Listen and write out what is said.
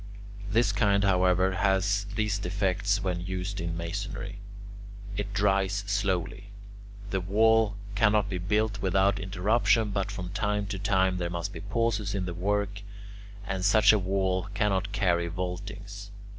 This kind, however, has these defects when used in masonry: it dries slowly; the wall cannot be built up without interruption but from time to time there must be pauses in the work; and such a wall cannot carry vaultings.